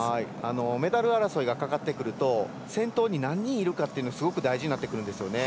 メダル争いがかかってくると先頭に何人いるかっていうのがすごく大事になってくるんですよね。